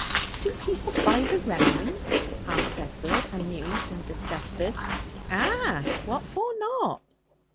'Do people buy the remnants?' asked Edward, amused and disgusted. 'Ah! What for not?'